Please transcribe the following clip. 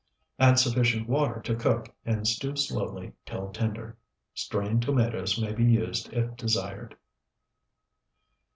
Add sufficient water to cook and stew slowly till tender. Strained tomatoes may be used if desired.